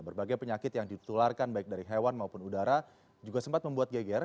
berbagai penyakit yang ditularkan baik dari hewan maupun udara juga sempat membuat geger